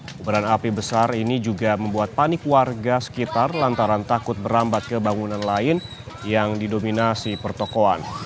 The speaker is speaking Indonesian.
kebakaran api besar ini juga membuat panik warga sekitar lantaran takut berambat ke bangunan lain yang didominasi pertokoan